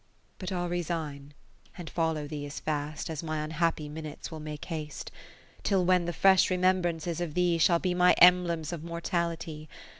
But I'll resign, and follow thee as fast As my unhappy minutes will make haste. Till when the fresh remembrances of thee Shall be my Emblems of Mortality.